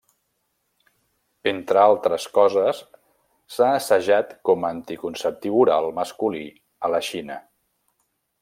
Entre altres coses s'ha assajat com anticonceptiu oral masculí a la Xina.